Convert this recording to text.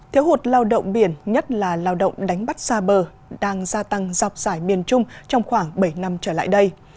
thiếu hụt lao động biển nhất là lao động đánh bắt xa bờ đang gia tăng dọc dài miền trung trong khoảng bảy năm trở lại đây